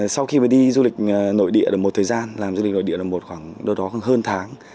sau khi đi du lịch nội địa được một thời gian làm du lịch nội địa được một khoảng hơn tháng